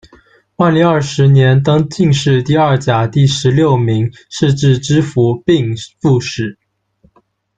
万历二十年，登进士第二甲第十六名，仕至知府并副使。